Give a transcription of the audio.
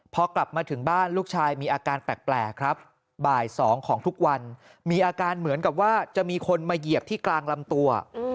พอกลับมาถึงบ้านลูกชายมีอาการแปลกครับบ่าย๒ของทุกวันมีอาการเหมือนกับว่าจะมีคนมาเหยียบที่กลางลำตัว